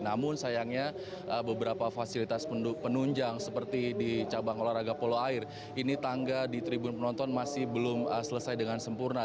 namun sayangnya beberapa fasilitas penunjang seperti di cabang olahraga polo air ini tangga di tribun penonton masih belum selesai dengan sempurna